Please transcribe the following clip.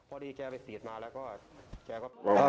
พอดีแกไปสีดมาแล้วก็แกก็